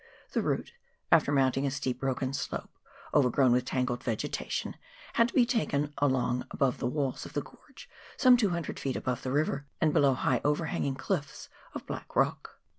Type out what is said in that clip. The route, after mounting a steep broken slope, overgrown with tangled vegetation, had to be taken along above the walls of the gorge, some 200 ft. above the river, and below high overhanging cliffs of black rock.